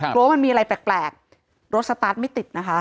ว่ามันมีอะไรแปลกรถสตาร์ทไม่ติดนะคะ